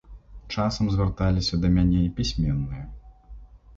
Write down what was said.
Часам звярталіся да мяне і пісьменныя.